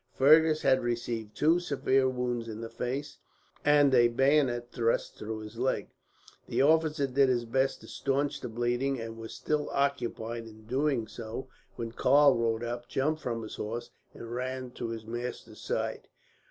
Fergus had received two severe wounds in the face, and a bayonet thrust through his leg. The officer did his best to stanch the bleeding, and was still occupied in doing so when Karl rode up, jumped from his horse, and ran to his master's side.